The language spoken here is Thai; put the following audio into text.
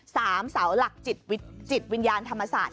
เสาหลักจิตวิญญาณธรรมศาสตร์